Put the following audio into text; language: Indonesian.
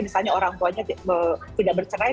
misalnya orang tuanya tidak bercerai